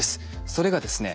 それがですね